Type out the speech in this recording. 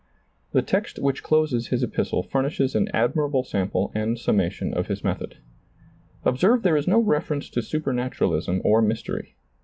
The text which closes his epistle furnishes an admirable sample and summation of his method. Observe there is no reference to supernaturalism or mystery.